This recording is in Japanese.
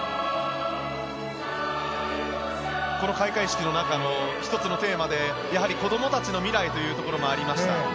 この開会式の中の１つのテーマでやはり子どもたちの未来というところもありました。